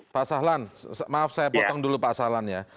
pak sahlan maaf saya potong dulu pak sahlan ya